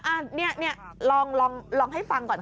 อ่านี่ลองให้ฟังก่อนค่ะ